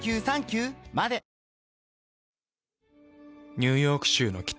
ニューヨーク州の北。